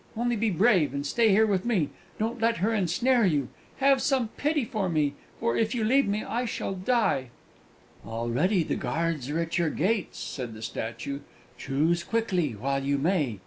Only be brave, and stay here with me; don't let her ensnare you! Have some pity for me; for, if you leave me, I shall die!" "Already the guards are at your gates," said the statue; "choose quickly while you may!"